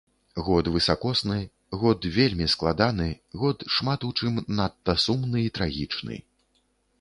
Год высакосны, год вельмі складаны, год шмат у чым надта сумны і трагічны.